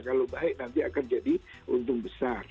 kalau baik nanti akan jadi untung besar